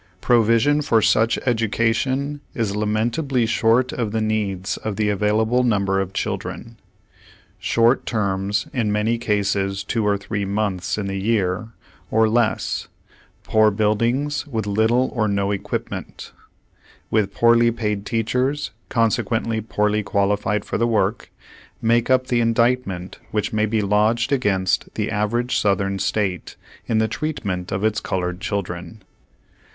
Provision for such education is lamentably short of the needs of the available number of children. Short terms, in many cases two or three months in the year, or less; poor buildings, with little or no equipment; wuth poorly paid teachers, consequently poorly qualified for the work, make up the indictment which may be lodged against the average South ern state, in the treatment of its colored children.